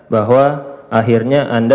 bahwa akhirnya anda